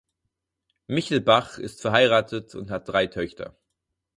Michelbach ist verheiratet und hat drei Töchter.